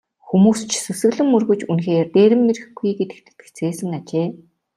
Хүмүүс ч сүсэглэн мөргөж үнэхээр дээрэм ирэхгүй гэдэгт итгэцгээсэн ажээ.